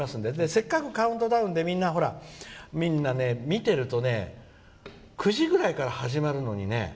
せっかくカウントダウンでみんな見てると９時ぐらいから始まるのにね